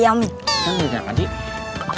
ya udah kenapa dik